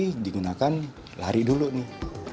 ini digunakan lari dulu nih